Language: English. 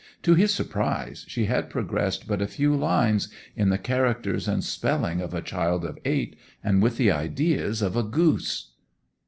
To his surprise she had progressed but a few lines, in the characters and spelling of a child of eight, and with the ideas of a goose.